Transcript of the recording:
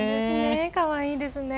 かわいいですね。